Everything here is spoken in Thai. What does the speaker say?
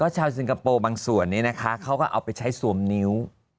ชาวสิงคโปร์บางส่วนนี้นะคะเขาก็เอาไปใช้สวมนิ้ว